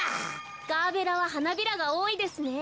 ガーベラははなびらがおおいですね。